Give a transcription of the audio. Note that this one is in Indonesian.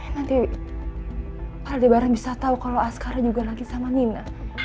nanti barang bisa tahu kalau askara juga lagi sama nina